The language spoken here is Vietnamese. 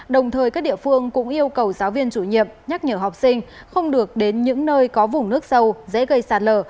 đồng thời các địa phương cũng yêu cầu giáo viên chủ nhiệm nhắc nhở học sinh không được đến những nơi có vùng nước sâu dễ gây sạt lở